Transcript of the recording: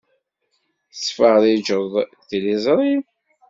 Tettfeṛṛiǧeḍ tiliẓṛi?